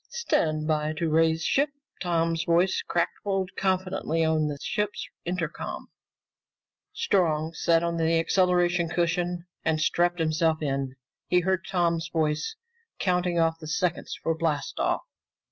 "Stand by to raise ship!" Tom's voice crackled confidently over the ship's intercom. Strong sat on an acceleration cushion and strapped himself in. He heard Tom's voice counting off the seconds for blast off.